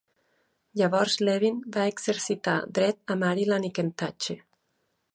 Llavors Levin va exercitar dret a Maryland i Kentucky.